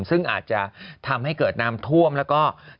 ซึ่งอาจจะทำให้เกิดน้ำท่วมแล้วก็